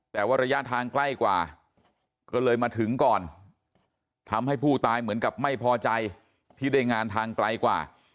แต่ว่าระยะทางใกล้กว่าก็เลยมาถึงก่อนทำให้ผู้ตายเหมือนกับไม่พอใจที่ได้งานทางไกลกว่า